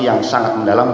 yang sangat mendalam